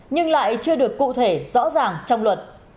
nhưng lại chưa được cụ thể rõ ràng trong luật